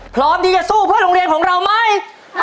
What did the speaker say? พร้อมที่จะสู้เพื่อโรงเรียนของเราไหม